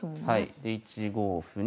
で１五歩に。